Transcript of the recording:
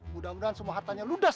mudah mudahan semua hartanya ludas